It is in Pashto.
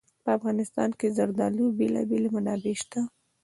په افغانستان کې د زردالو بېلابېلې منابع شته دي.